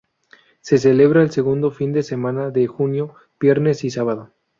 Se celebra el segundo fin de semana de junio, viernes y sábado.